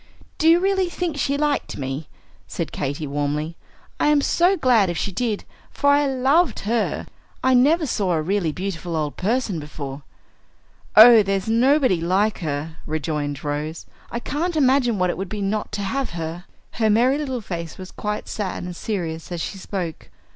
"Do you really think she liked me?" said Katy, warmly. "I am so glad if she did, for I loved her. I never saw a really beautiful old person before." "Oh, there's nobody like her," rejoined Rose. "I can't imagine what it would be not to have her." Her merry little face was quite sad and serious as she spoke.